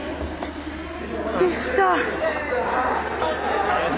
できた。